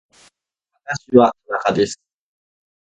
私は田中です